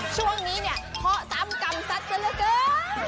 ช่วงนี้เนี่ยเพาะสามกรรมสักกันแล้วเกิ๊ง